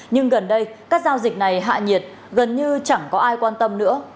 nhưng gần đây các giao dịch này hạ nhiệt gần như chẳng có ai quan tâm nữa